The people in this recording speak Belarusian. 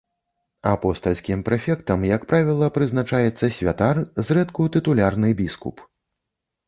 Апостальскім прэфектам, як правіла, прызначаецца святар, зрэдку тытулярны біскуп.